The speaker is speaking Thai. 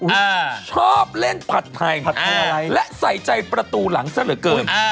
อื้อชอบเล่นผัดไทยและใส่ใจประตูหลังเสียเหลือเกิน